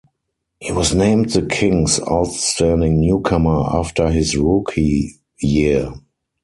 He was named the Kings outstanding newcomer after his rookie year.